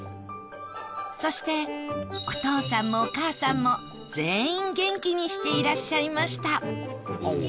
そしてお父さんもお母さんも全員元気にしていらっしゃいました